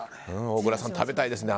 小倉さん、食べたいですね。